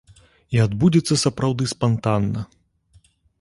І адбудзецца сапраўды спантанна.